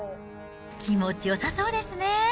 気持ちよさそうですね。